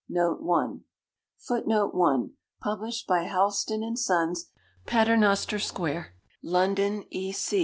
[Footnote 1: Published by Houlston and Sons, Paternoster square, London, E.